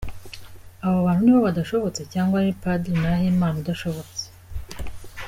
Abo bantu nibo badashobotse cyangwa ni Padiri Nahimana udashobotse?